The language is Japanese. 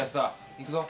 行くぞ。